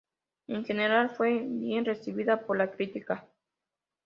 En general fue bien recibida por la crítica.